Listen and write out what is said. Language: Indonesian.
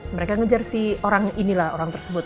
mereka ngejar si orang ini lah orang tersebut